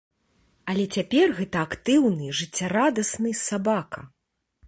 Але цяпер гэта актыўны, жыццярадасны сабака!